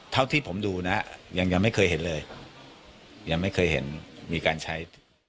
เท่าที่ผมดูนะยังยังไม่เคยเห็นเลยยังไม่เคยเห็นมีการใช้